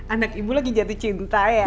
anak ibu lagi jatuh cinta ya